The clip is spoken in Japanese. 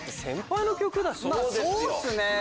まぁそうっすね！